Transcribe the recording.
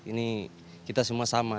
ini kita semua sama